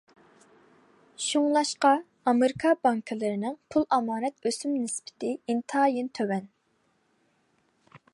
شۇڭلاشقا ئامېرىكا بانكىلىرىنىڭ پۇل ئامانەت ئۆسۈم نىسبىتى ئىنتايىن تۆۋەن.